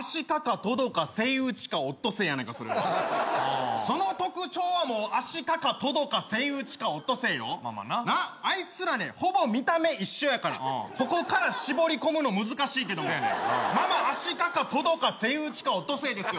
トドかセイウチかオットセイやないかそれはその特徴はもうアシカかトドかセイウチかオットセイよなっあいつらねほぼ見た目一緒やからここから絞り込むの難しいけどもアシカかトドかセイウチかオットセイですよ